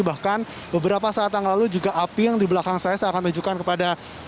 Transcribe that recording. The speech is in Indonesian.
bahkan beberapa saat yang lalu juga api yang di belakang saya saya akan tunjukkan kepada ferdin dan juga pemirsa di rumah